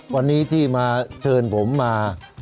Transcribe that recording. วันนี้ที่มาเชิญผมมา